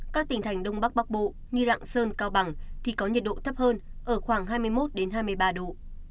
các tỉnh thành đông bắc bắc bộ như lạng sơn cao bằng thì có nhiệt độ thấp hơn ở khoảng hai mươi một hai mươi ba độ